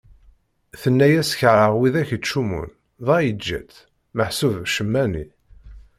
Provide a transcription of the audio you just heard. Tenna-yas kerheɣ widak ittcummun, dɣa yeǧǧa-tt ; meḥsub ccemma-nni.